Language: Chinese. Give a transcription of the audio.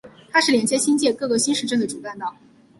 它是连接新界各个新市镇的主干道。